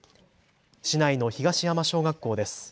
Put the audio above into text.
市内の東山小学校です。